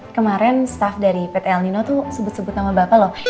kemarin staff dari pt el nino tuh sebut sebut nama bapak loh